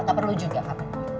tak perlu juga kak